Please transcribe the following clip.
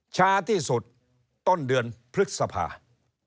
ช้าที่สุดต้นเดือนพฤษภา